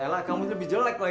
lah kamu lebih jelek lagi